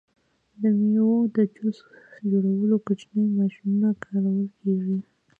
د میوو د جوس جوړولو کوچنۍ ماشینونه کارول کیږي.